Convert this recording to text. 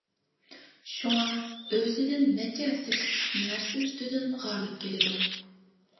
شۇڭا، ئۆزىدىن نەچچە ھەسسە كۈچلۈك نەرسە ئۈستىدىن غالىب كېلىدۇ.